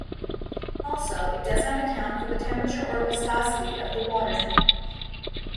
Also, it does not account for the temperature or viscosity of the water.